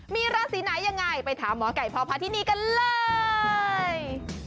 มีราศีไหนยังไงไปถามหมอไก่พพาธินีกันเลย